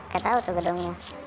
gak tau tuh gedungnya